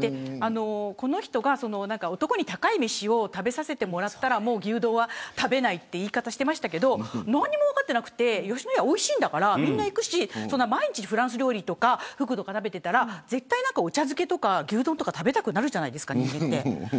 この人が男に高い飯を食べさせてもらったらもう牛丼は食べないという言い方していましたけれど何にも分かってなくて吉野家、おいしいんだからみんな行くし毎日、フランス料理とかふぐとか食べてたら絶対お茶漬けとか牛丼食べたくなるじゃないですか。